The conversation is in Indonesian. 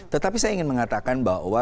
tetapi saya ingin mengatakan bahwa